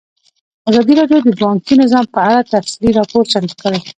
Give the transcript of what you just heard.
ازادي راډیو د بانکي نظام په اړه تفصیلي راپور چمتو کړی.